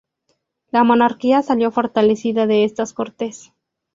La monarquía salió fortalecida de estas Cortes.